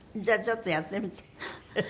じゃあちょっとやってみて。